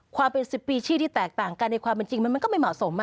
ความเป็น๑๐ปีชี่ที่แตกต่างกันในความเป็นจริงมันก็ไม่เหมาะสม